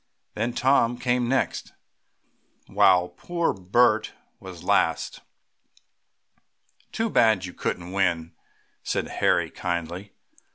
Then Tom came next, while poor Bert was last. "Too bad you couldn't win," said Harry kindly.